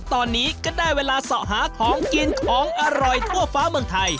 ตอนนี้ก็ได้เวลาเสาะหาของกินของอร่อยทั่วฟ้าเมืองไทย